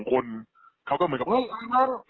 เค้าก็เหมือนกับเฮ้ทันพี่บ้าน